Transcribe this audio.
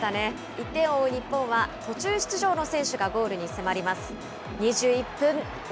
１点を追う日本は、途中出場の選手がゴールに迫ります。